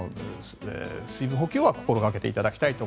水分補給は心掛けていただきたいと。